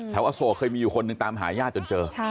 แถวอโสกเคยมีคนหนึ่งตามหายาดจนเจอ